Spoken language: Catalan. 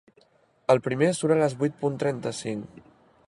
El primer surt a les vuit punt trenta-cinc.